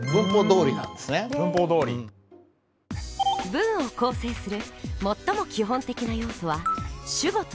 文を構成する最も基本的な要素は主語と述語です。